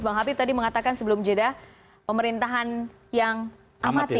bang habib tadi mengatakan sebelum jeda pemerintahan yang amati